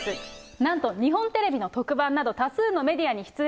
なんと日本テレビの特番など、多数のメディアに出演。